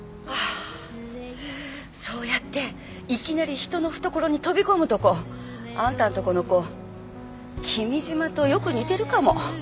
そうやっていきなり人の懐に飛び込むとこあんたんとこの子君嶋とよく似てるかも。